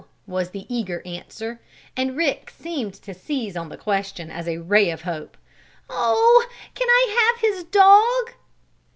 was the eager answer, and Rick seemed to seize on the question as a ray of hope. "Oh, can I have his dog?"